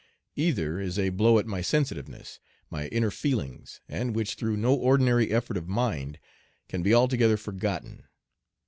Either is a blow at my sensitiveness, my inner feelings, and which through no ordinary effort of mind can be altogether forgotten.